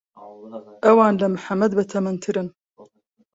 ئەوان لە محەممەد بەتەمەنترن.